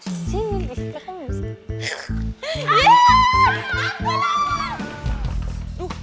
nanti tunggu kun